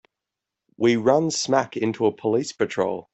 We run smack into a police patrol.